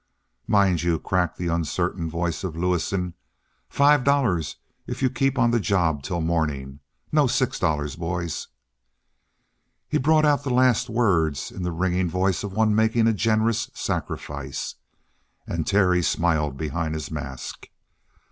"Mind you," crackled the uncertain voice of Lewison, "five dollars if you keep on the job till morning. No, six dollars, boys!" He brought out the last words in the ringing voice of one making a generous sacrifice, and Terry smiled behind his mask.